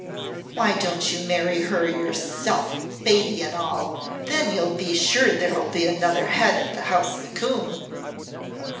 Why don't you marry her yourself baby and all! Then you'll be sure there'll be another Head of the House of Coombe!"